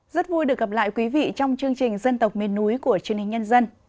rất vui được gặp lại quý vị trong chương trình dân tộc miền núi của chương trình nhân dân